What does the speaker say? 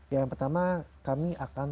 ya yang pertama kami akan